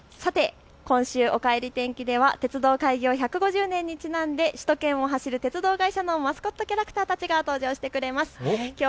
今週、おかえり天気では鉄道開通１５０周年にちなんで鉄道会社のマスコットキャラクターたちに登場してもらっています。